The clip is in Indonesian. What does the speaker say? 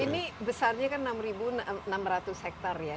ini besarnya kan enam enam ratus hektare ya